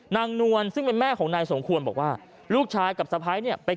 นวลซึ่งเป็นแม่ของนายสมควรบอกว่าลูกชายกับสะพ้ายเนี่ย